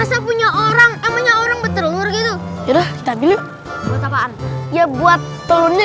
sampai jumpa di video selanjutnya